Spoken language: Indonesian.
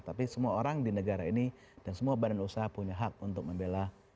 tapi semua orang di negara ini dan semua badan usaha punya hak untuk membela